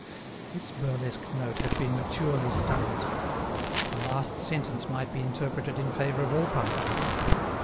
This burlesque note had been maturely studied. The last sentence might be interpreted in favour of all parties.